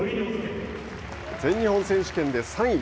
全日本選手権で３位。